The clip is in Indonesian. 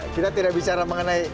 kita tidak bicara mengenai